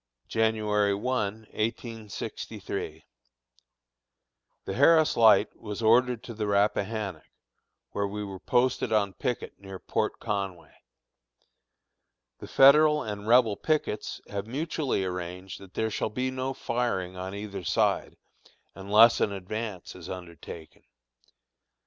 January 1, 1863. The Harris Light was ordered to the Rappahannock, where we were posted on picket near Port Conway. The Federal and Rebel pickets have mutually arranged that there shall be no firing on either side, unless an advance is undertaken.